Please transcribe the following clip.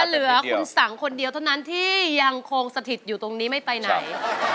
เหลือคุณสังคนเดียวเท่านั้นที่ยังคงสถิตอยู่ตรงนี้ไม่ไปไหน